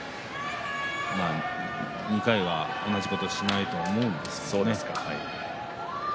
２回は同じことはしないと思うんですけどね。